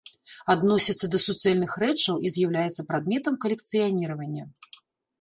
Адносіцца да суцэльных рэчаў і з'яўляецца прадметам калекцыяніравання.